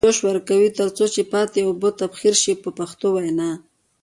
جوش ورکوي تر څو چې پاتې اوبه یې تبخیر شي په پښتو وینا.